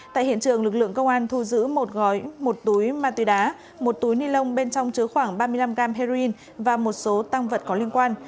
tại hiện trường lực lượng công an thu giữ một gói một túi ma túy đá một túi ni lông bên trong chứa khoảng ba mươi năm gram heroin và một số tăng vật có liên quan